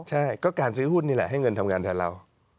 ใช่ก็การซื้อหุ้นนี่แหละให้เงินทำงานแทนเรา